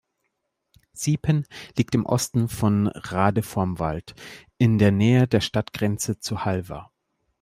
Siepen liegt im Osten von Radevormwald in der Nähe der Stadtgrenze zu Halver.